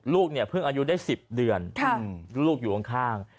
ลูกเนี่ยเพิ่งอายุได้๑๐เดือนลูกอยู่ข้าง